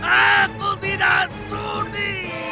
aku tidak sudi